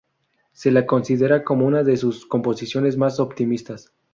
Se la considera como una de sus composiciones más optimistas.